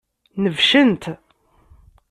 Nebcen-t.